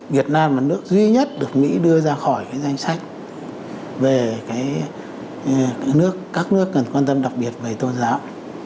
việt nam là nước duy nhất được mỹ đưa ra khỏi danh sách về các nước các nước cần quan tâm đặc biệt về tôn giáo